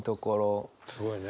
すごいね。